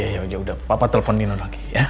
ya yaudah papa telepon nino lagi ya